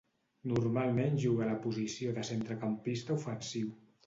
Normalment juga a la posició de centrecampista ofensiu.